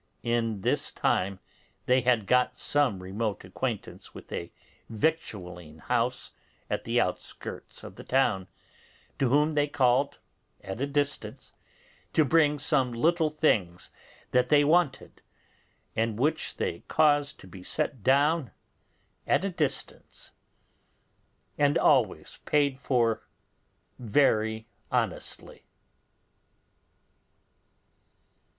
In this time they had got some remote acquaintance with a victualling house at the outskirts of the town, to whom they called at a distance to bring some little things that they wanted, and which they caused to be set down at a distance, and always paid for very honestly.